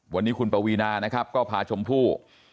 วันนี้คุณปวีนานะครับก็พาชมพู่